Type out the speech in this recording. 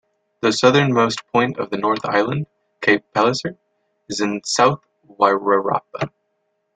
The southernmost point of the North Island, Cape Palliser is in the South Wairarapa.